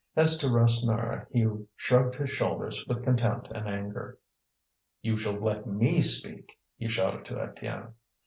As to Rasseneur, he shrugged his shoulders with contempt and anger. "You shall let me speak," he shouted to Étienne.